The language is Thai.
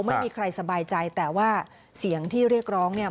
ไม่มีใครสบายใจแต่ว่าเสียงที่เรียกร้องเนี่ย